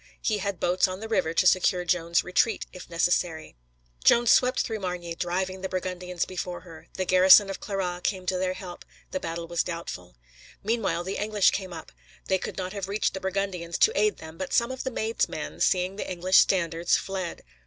He had boats on the river to secure Joan's retreat, if necessary. Joan swept through Margny driving the Burgundians before her; the garrison of Clairoix came to their help; the battle was doubtful. Meanwhile the English came up; they could not have reached the Burgundians, to aid them, but some of the Maid's men, seeing the English standards, fled.